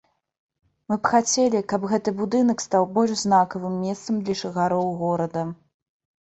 Мы б хацелі, каб гэты будынак стаў больш знакавым месцам для жыхароў горада.